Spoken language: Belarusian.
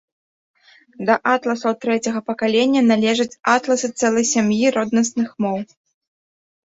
Да атласаў трэцяга пакалення належаць атласы цэлай сям'і роднасных моў.